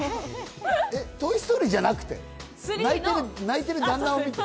『トイ・ストーリー』じゃなくて、泣いてる旦那を見て。